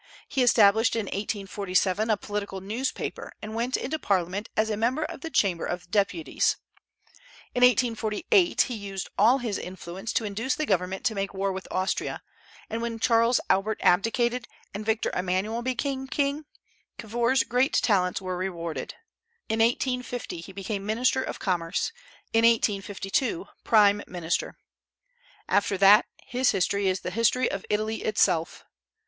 He established in 1847 a political newspaper, and went into parliament as a member of the Chamber of Deputies. In 1848 he used all his influence to induce the government to make war with Austria; and when Charles Albert abdicated, and Victor Emmanuel became king, Cavour's great talents were rewarded. In 1850 he became minister of commerce; in 1852, prime minister. After that, his history is the history of Italy itself.